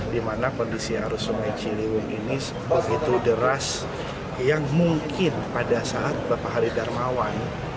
di mana kondisi arus sungai ciliwung ini begitu deras yang mungkin pada saat bapak hari darmawan